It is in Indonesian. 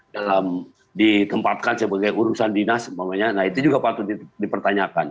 dalam ditempatkan sebagai urusan dinas nah itu juga patut dipertanyakan